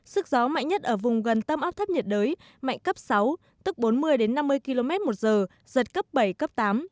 sức gió mạnh nhất ở vùng gần tâm áp thấp nhiệt đới mạnh cấp sáu tức bốn mươi năm mươi km một giờ giật cấp bảy cấp tám